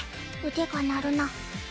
腕が鳴るな。